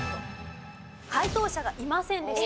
解答者がいませんでした。